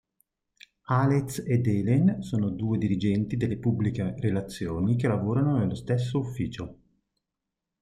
Alex ed Helen sono due dirigenti delle pubbliche relazioni che lavorano nello stesso ufficio.